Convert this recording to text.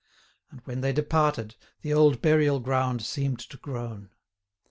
And when they departed, the old burial ground seemed to groan.